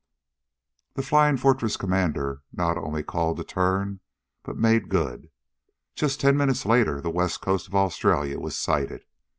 The Flying Fortress commander not only called the turn, but made good. Just ten minutes later the west coast of Australia was sighted.